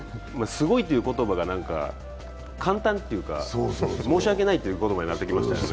すごいという言葉が簡単というか申し訳ない言葉になってきましたよね。